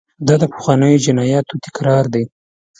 دا د پخوانیو جنایاتو تکرار دی.